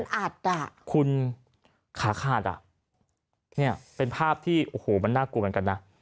อัดอ่ะคุณขาขาดอ่ะเนี่ยเป็นภาพที่โอ้โหมันน่ากลัวเหมือนกันนะ